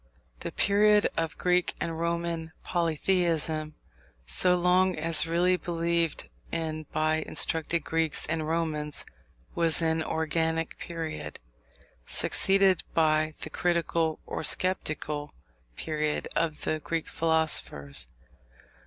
The period of Greek and Roman polytheism, so long as really believed in by instructed Greeks and Romans, was an organic period, succeeded by the critical or sceptical period of the Greek philosophers.